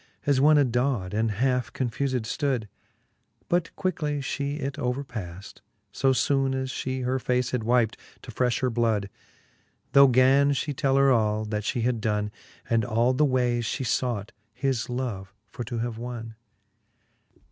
As one adaw'd, and half confufed ftood ; But quickly Ihe it overpaft, fo foone As fhe her face had wypt, to frefh her blood : Tho gan fhe tell her all, that fhe had donne, And all the wayes fhe fought, his love for to have wonne : XLVI.